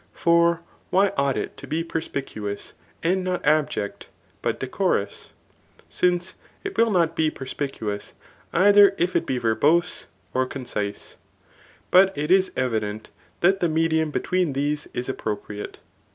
For why ought it to be perspicuous, and not abject, but decorous ? since it will not be perspicuous either if it be verbose, or concise ; but it is evident that the medium between these is appropriate.